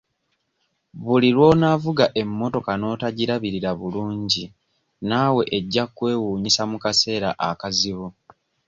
Buli lw'onaavuga emmotoka n'otagirabirira bulungi naawe eggya kkwewuunyisa mu kaseera akazibu.